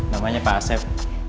namanya pak asep